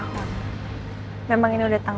terus sama kayak apa sih